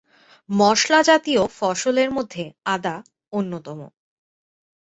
মশলা জাতীয় ফসলের মধ্যে আদা অন্যতম।